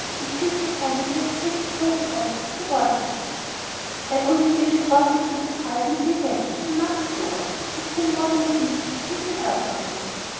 "It seems so funny to have Katy spoken of as 'the Worthingtons.'" "I only wish the Worthingtons would write and say when," remarked Clover. "It is more than a week since we heard from them."